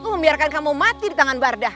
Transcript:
aku akan membiarkanmu mati di tangan bardah